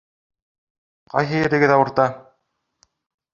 Ҡайһы ерегеҙ ауырта?